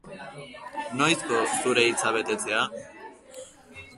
Noizko, zure hitza betetzea?